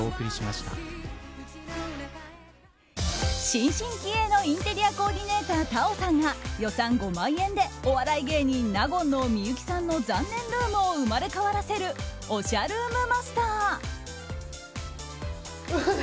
新進気鋭のインテリアコーディネーターＴａｏさんが予算５万円でお笑い芸人・納言の幸さんの残念ルームを生まれ変わらせるおしゃルームＭａｓｔｅｒ。